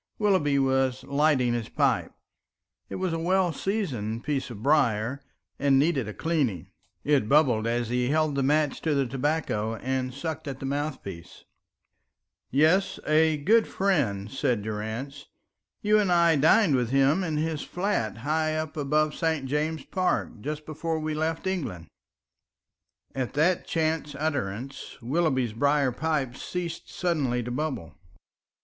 Willoughby was lighting his pipe. It was a well seasoned piece of briar, and needed a cleaning; it bubbled as he held the match to the tobacco and sucked at the mouthpiece. "Yes, a great friend," said Durrance. "You and I dined with him in his flat high up above St. James's Park just before we left England." And at that chance utterance Willoughby's briar pipe ceased suddenly to bubble.